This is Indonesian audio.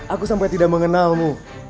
aku sampai tidak mengenalmu